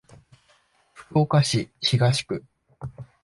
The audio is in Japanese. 福岡市東区